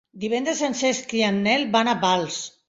Divendres en Cesc i en Nel van a Pals.